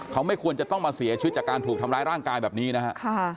เขาไม่ควรจะต้องมาเสียชีวิตจากการถูกทำร้ายร่างกายแบบนี้นะฮะ